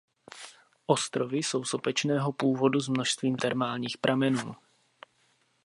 Ostrovy jsou sopečného původu s množstvím termálních pramenů.